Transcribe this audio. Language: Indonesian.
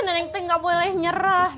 nenek tik gak boleh nyerah